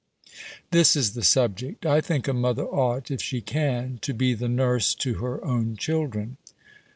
This is the subject: I think a mother ought, if she can, to be the nurse to her own children.